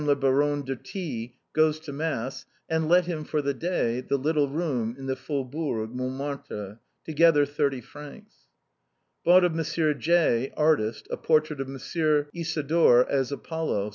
la Bar onne de T goes to mass, and let to him for the day the little room in the Faubourg Montmartre: together 30 frs, " Bought of M. J , artist, a portait of M. Isidore as Apollo.